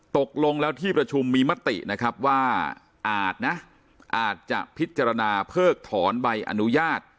ตกลงแล้วที่ประชุมมีมติว่าอาจจะพิจารณาเพิกถอนใบอนุญาต